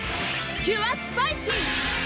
キュアスパイシー！